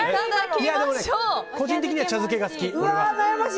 個人的には茶漬けが好き。